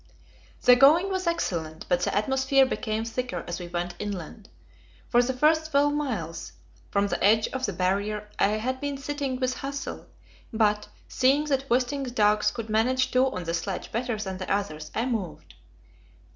The going was excellent, but the atmosphere became thicker as we went inland. For the first twelve miles from the edge of the Barrier I had been sitting with Hassel, but, seeing that Wisting's dogs could manage two on the sledge better than the others, I moved.